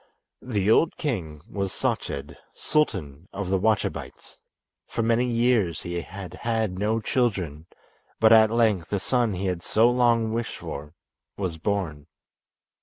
The old king was Sached, Sultan of the Wachabites. For many years he had had no children, but at length the son he had so long wished for was born.